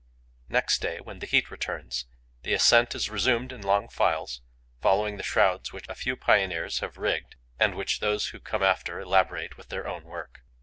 Next day, when the heat returns, the ascent is resumed in long files, following the shrouds which a few pioneers have rigged and which those who come after elaborate with their own work.